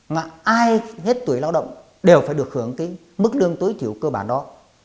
mà ai hết tuổi lao động đều phải được hưởng cái mức lương tối thiểu cơ bản đó